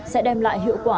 sẽ đem lại hiệu quả